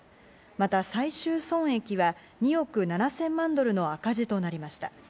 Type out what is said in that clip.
また最終損益は２億７０００万ドルの赤字となりました。